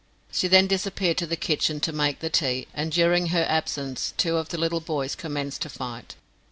She then disappeared to the kitchen to make the tea, and during her absence two of the little boys commenced to fight.